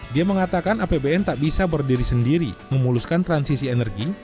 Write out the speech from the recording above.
dia mengatakan apbn tak bisa berdiri sendiri memuluskan transisi energi